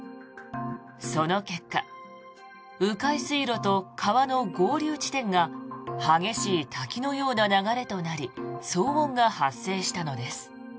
その結果迂回水路と川の合流地点が激しい滝のような流れとなり騒音が発生したのです。